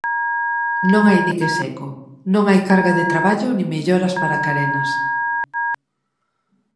Non hai dique seco, non hai carga de traballo nin melloras para carenas.